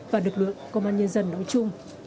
và lực lượng công an nhân dân nói chung